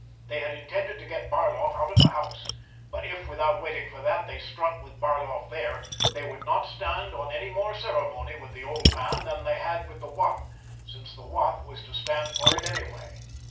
They had intended to get Barloff out of the house, but if, without waiting for that, they struck with Barloff there, they would not stand on any more ceremony with the old man than they had with the Wop, since the Wop was to stand for it anyway.